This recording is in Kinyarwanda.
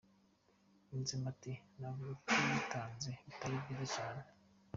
Yunzemo ati "Navuga ko yitanze bitari byiza cyane.